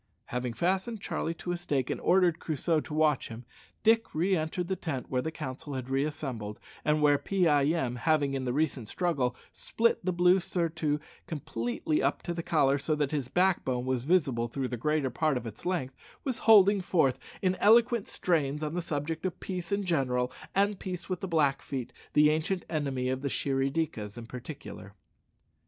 Having fastened Charlie to a stake, and ordered Crusoe to watch him, Dick re entered the tent where the council had reassembled, and where Pee eye em having, in the recent struggle, split the blue surtout completely up to the collar, so that his backbone was visible throughout the greater part of its length was holding forth in eloquent strains on the subject of peace in general and peace with the Blackfeet, the ancient enemies of the Shirry dikas, in particular.